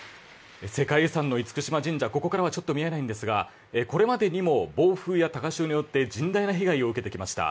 世界遺産の厳島神社、ここからはちょっと見えないんですがこれまでにも暴風や高潮によって甚大な被害を受けてきました。